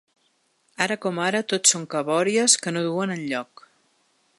Ara com ara tot són cabòries que no duen enlloc.